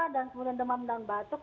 dan kemudian demam dan batuk